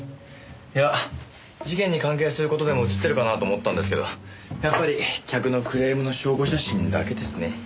いや事件に関係する事でも写ってるかなと思ったんですけどやっぱり客のクレームの証拠写真だけですね。